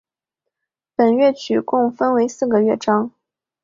本乐曲共分为四个乐章。